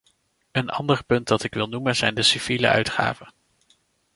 Een ander punt dat ik wil noemen zijn de civiele uitgaven.